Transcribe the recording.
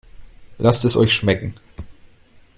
Lasst es euch schmecken!